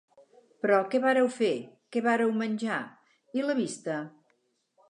Però què vareu fer? Què vareu menjar? I la vista?